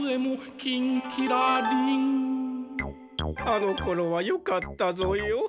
あのころはよかったぞよ。